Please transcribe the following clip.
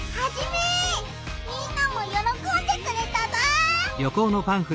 みんなもよろこんでくれたぞ！